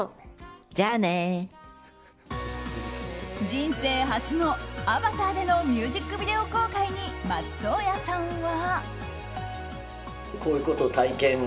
人生初のアバターでのミュージックビデオ公開に松任谷さんは。